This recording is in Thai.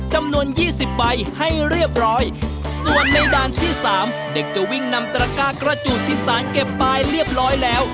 จำนวนยี่สิบใบให้เรียบร้อยส่วนในด่านที่สามเด็กจะวิ่งนำตระกากระจูดที่สารเก็บไปเรียบร้อยแล้ว